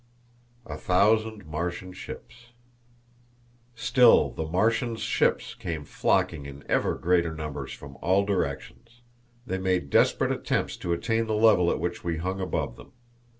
A Thousand Martian Ships. Still the Martians' ships came flocking in ever greater numbers from all directions. They made desperate attempts to attain the level at which we hung above them.